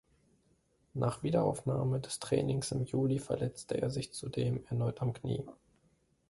Nach Wiederaufnahme des Trainings im Juli verletzte er sich zudem erneut am Knie.